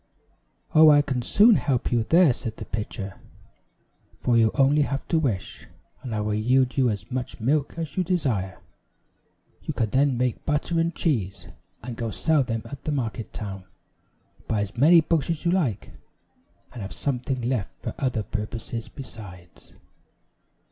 "Oh, I can soon help you there," said the pitcher, "for you have only to wish, and I will yield you as much milk as you desire. You can then make butter and cheese, and go sell them at the market town; buy as many books as you like, and have something left for other purposes besides."